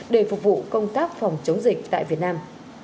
để phục vụ công tác phòng chống dịch tại việt nam